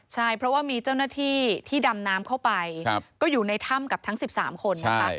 ใช่เพราะว่ามีเจ้าหน้าที่ที่ดำน้ำเข้าไปก็อยู่ในถ้ำกับทั้ง๑๓คนนะคะ